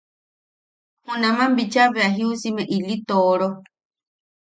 Junaman bicha bea jiusime ili tooro.